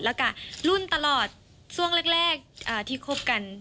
แล้วก็รุ่นตลอดช่วงแรกที่คบกัน